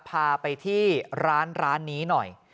พาไปที่ร้านร้านนี้หน่อย